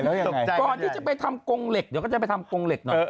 ก่อนที่จะไปทำกงเหล็กเดี๋ยวก็จะไปทำกงเหล็กหน่อย